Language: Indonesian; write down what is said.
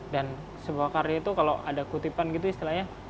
dan sebuah karya itu kalau ada kutipan gitu istilahnya